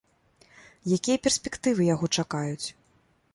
Якія перспектывы яго чакаюць?